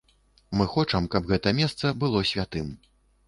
Мы хочам, каб гэта месца было святым.